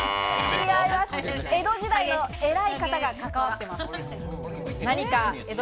江戸時代の偉い方が関わってます。